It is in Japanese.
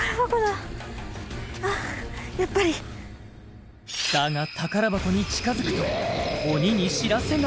やっぱりだが宝箱に近づくと鬼に知らせが！